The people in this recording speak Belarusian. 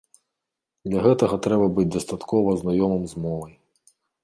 Для гэтага трэба быць дастаткова знаёмым з мовай.